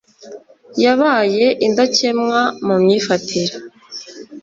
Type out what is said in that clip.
yabaye indakemwa mu myifatire .